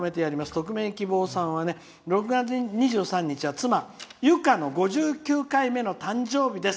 匿名希望さんは６月２３日は妻、ゆかの５９回目の誕生日です。